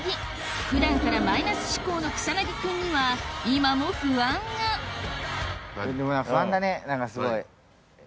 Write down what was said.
普段からマイナス思考の草薙君には今も不安が何かすごい。